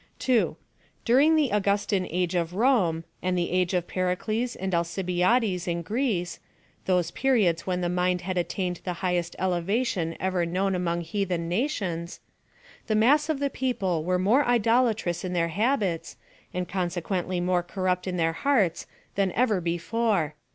2. During the Augustan age of Rome, and the age of Pericles and Alcibiades in Greece — those periods when the mind had attained the highest elevation ever known among heathen nations — the mass of the people were more idolatrous in their habits, and consequently more corrupt in their hearts, than ever before.